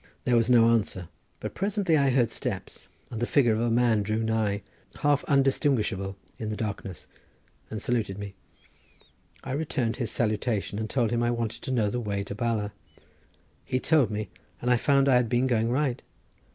There was no answer, but presently I heard steps, and the figure of a man drew nigh half undistinguishable in the darkness and saluted me. I returned his salutation, and told him I wanted to know the way to Bala. He told me, and I found I had been going right.